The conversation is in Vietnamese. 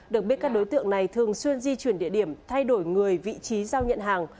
được biết các đối tượng này thường xuyên di chuyển địa điểm thay đổi người vị trí giao nhận hàng